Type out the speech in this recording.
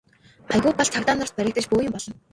Аягүй бол цагдаа нарт баригдаж бөөн юм болно.